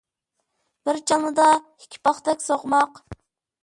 بىر چالمىدا ئىككى پاختەك سوقماق